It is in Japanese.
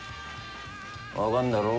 分かんだろ？